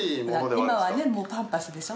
今はねもうパンパースでしょ？